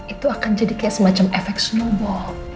itu akan jadi kayak semacam efek snowball